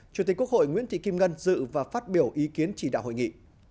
chủ tịch quốc hội nguyễn thị kim ngân dự và phát biểu ý kiến chỉ đạo hội nghị